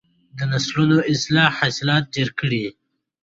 د نسلونو اصلاح حاصلات ډیر کړي.